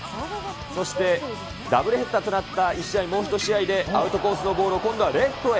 そして、ダブルヘッダーとなった１試合、もう１試合で、アウトコースのボールを今度はレフトへ。